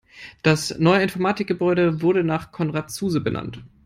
Das neue Informatikgebäude wurde nach Konrad Zuse benannt.